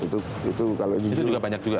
itu juga banyak juga